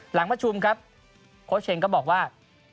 หลังประชุมครับโค้ชเชงก็บอกว่า